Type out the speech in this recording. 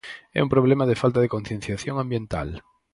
É un problema de falta de concienciación ambiental.